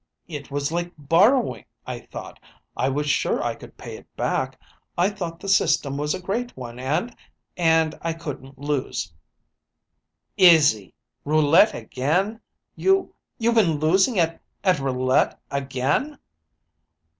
It was like borrowing, I thought. I was sure I could pay it back. I thought the system was a great one and and I couldn't lose." "Izzy roulette again! You you been losing at at roulette again?"